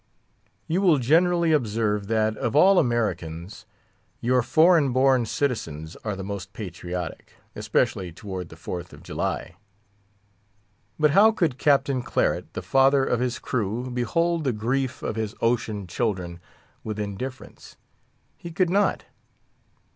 You will generally observe that, of all Americans, your foreign born citizens are the most patriotic—especially toward the Fourth of July. But how could Captain Claret, the father of his crew, behold the grief of his ocean children with indifference? He could not.